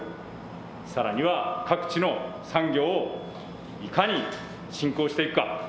さらには各地の産業をいかに振興していくか。